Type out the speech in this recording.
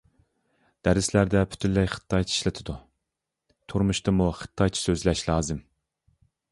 دەرسلەردە پۈتۈنلەي خىتايچە ئىشلىتىدۇ، تۇرمۇشتىمۇ خىتايچە سۆزلەش لازىم.